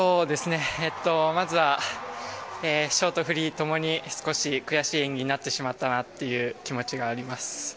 まずはショート、フリー共に少し悔しい演技になってしまったなという気持ちがあります。